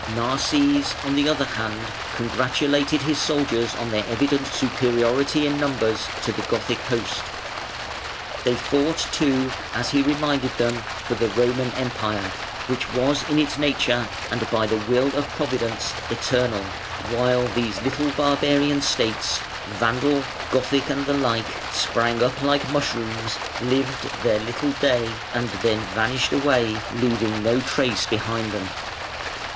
Narses, on the other hand, congratulated his soldiers on their evident superiority in numbers to the Gothic host. They fought too, as he reminded them, for the Roman Empire, which was in its nature, and by the will of Providence, eternal, while these little barbarian states, Vandal, Gothic, and the like, sprang up like mushrooms, lived their little day, and then vanished away, leaving no trace behind them.